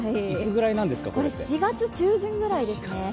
４月中旬ぐらいですね。